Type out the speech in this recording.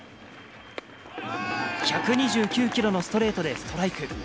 １２９キロのストレートでストライク。